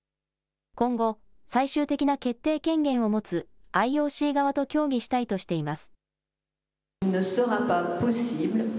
今後、最終的な決定権限を持つＩＯＣ側と協議したいとしています。